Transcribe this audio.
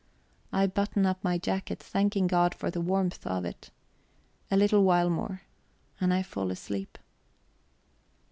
I button up my jacket, thanking God for the warmth of it. A little while more. And I fall asleep.